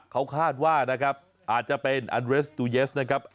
เขาคาดว่านะครับอาจจะเป็นอันเรสตูเยสนะครับ